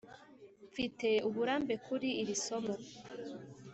mfite uburambe kuri iri somo